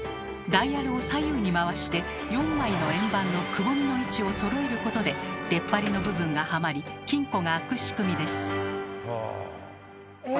ダイヤルを左右に回して４枚の円盤のくぼみの位置をそろえることで出っ張りの部分がはまり金庫が開く仕組みです。